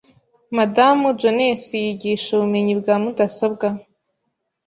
Madamu Jones yigisha ubumenyi bwa mudasobwa .